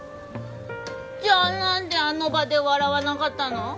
じゃあなんであの場で笑わなかったの？